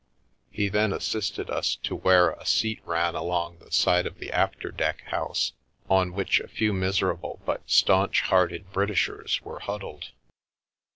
He then assisted us to where a seat ran along the side of the after deck house, on which a few miserable but staunch hearted Britishers were huddled.